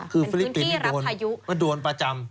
คือฟิลิปินมันโดนประจำ